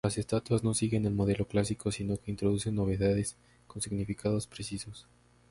Las estatuas no siguen el modelo clásico, sino que introducen novedades con significados precisos.